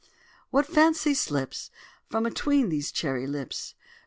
. What funny fancy slips From atween these cherry lips?